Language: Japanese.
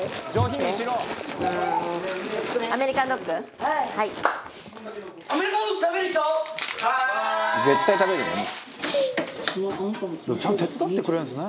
「でもちゃんと手伝ってくれるんですね」